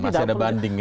masih ada banding